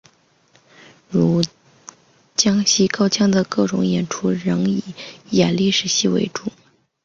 如江西高腔的各种演出仍以演历史戏为主。